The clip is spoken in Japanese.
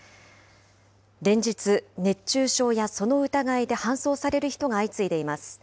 連日熱中症やその疑いで搬送される人が相次いでいます。